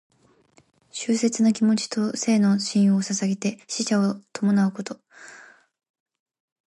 哀切な気持ちと誠の心をささげて死者を弔うこと。「銜」は心に抱く意で、「銜哀」は哀しみを抱くこと、「致誠」は真心をささげる意。人の死を悼む時に用いる語。「哀を銜み誠を致す」とも読む。